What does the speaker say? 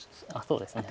そうですね。